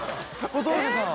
小峠さん！